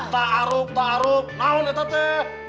tak arup tak arup nah itu tuh